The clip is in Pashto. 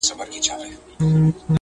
نیمه شپه روان د خپل بابا پر خوا سو!!